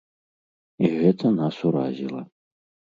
І гэта нас уразіла.